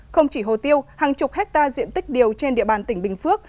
không chỉ hồ tiêu hàng chục hectare diện tích điều trên địa bàn tỉnh bình phước